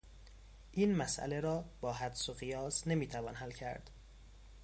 این مسئله را با حدس و قیاس نمیتوان حل کرد.